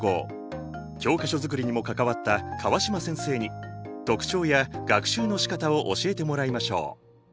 教科書作りにも関わった川島先生に特徴や学習のしかたを教えてもらいましょう。